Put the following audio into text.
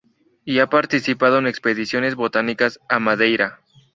Y ha participado en expediciones botánicas a Madeira.